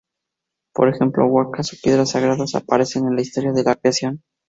Por ejemplo, "huacas" o piedras sagradas aparecen en la historia de la creación.